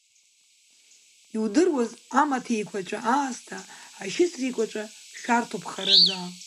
Иудыруаз, амаҭ еиқәаҵәа аасҭа, ашьыцра еиқәаҵәа шәарҭоуп хараӡа.